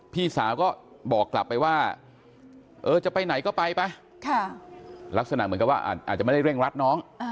พี่สาวก็บอกกลับไปว่าเออจะไปไหนก็ไปไปลักษณะเหมือนกับว่าอาจจะไม่ได้เร่งรัดน้อง